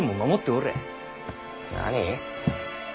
何？